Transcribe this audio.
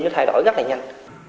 nó thay đổi rất là nhanh